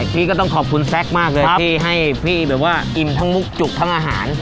พี่ก็ต้องขอบคุณแซคมากเลยที่ให้พี่แบบว่าอิ่มทั้งมุกจุกทั้งอาหาร